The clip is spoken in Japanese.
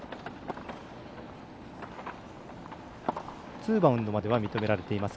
ツーバウンドまでは認められています。